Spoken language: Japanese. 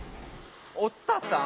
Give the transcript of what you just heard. お伝さん